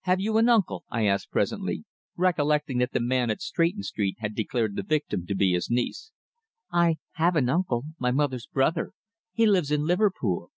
"Have you an uncle?" I asked presently, recollecting that the man at Stretton Street had declared the victim to be his niece. "I have an uncle my mother's brother he lives in Liverpool."